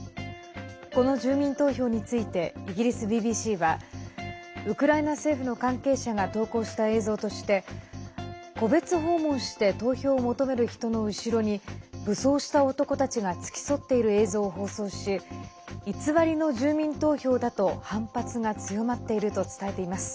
この住民投票についてイギリスＢＢＣはウクライナ政府の関係者が投稿した映像として戸別訪問して投票を求める人の後ろに武装した男たちが付き添っている映像を放送し偽りの住民投票だと反発が強まっていると伝えています。